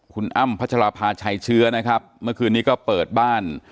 คุณอ้ำพัชราภาชัยเชื้อนะครับเมื่อคืนนี้ก็เปิดบ้าน